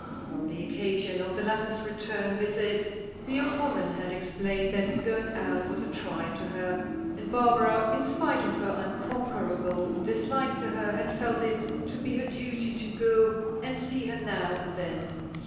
On the occasion of the latter's return visit the old woman had explained that going out was a trial to her, and Barbara, in spite of her unconquerable dislike to her, had felt it to be her duty to go and see her now and then.